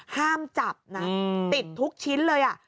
ห้ามจับนะติดทุกชิ้นเลย